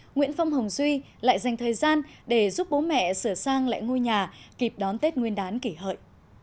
nguyễn phong hồng duy lại dành thời gian để giúp bố mẹ sửa sang lại ngôi nhà kịp đón tết nguyên đán kỷ hợi